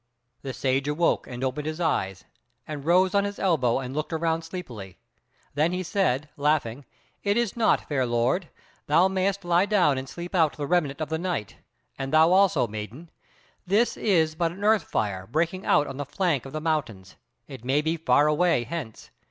The Sage awoke and opened his eyes, and rose on his elbow and looked around sleepily; then he said laughing: "It is naught, fair lord, thou mayst lie down and sleep out the remnant of the night, and thou also, maiden: this is but an earth fire breaking out on the flank of the mountains; it may be far away hence.